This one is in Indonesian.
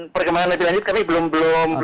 perkembangan lebih lanjut kami belum sampai ke situ pak